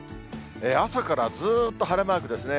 朝からずっと晴れマークですね。